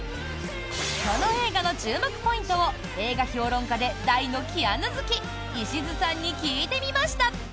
この映画の注目ポイントを映画評論家で大のキアヌ好き石津さんに聞いてみました。